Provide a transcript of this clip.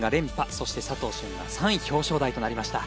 そして佐藤駿が３位表彰台となりました。